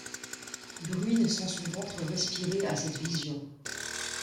Bruine sent son ventre respirer à cette vision.